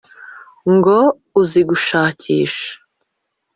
ngo uzi gushakisha